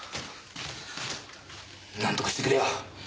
なんとかしてくれよ！